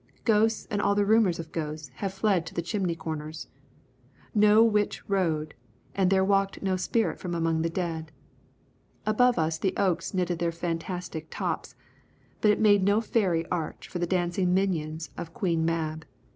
Ghosts and all the rumours of ghosts had fled to the chimney corners. No witch rode and there walked no spirit from among the dead. Above us the oaks knitted their fantastic tops, but it made no fairy arch for the dancing minions of Queen Mab.